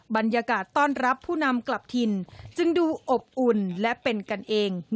บรรยากาศต้อนรับผู้นำกลับถิ่นจึงดูอบอุ่นและเป็นกันเอง